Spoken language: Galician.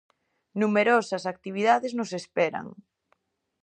Numerosas actividades nos esperan.